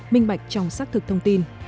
mình bạch trong xác thực thông tin